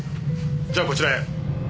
じゃあこちらへ。